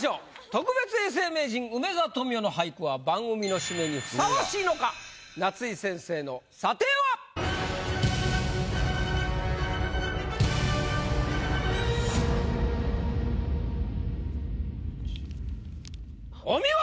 特別永世名人梅沢富美男の俳句は番組の締めにふさわしいのか⁉夏井先生の査定は⁉お見事！